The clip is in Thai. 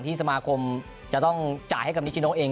สมาคมจะต้องจ่ายให้กับนิชิโนเอง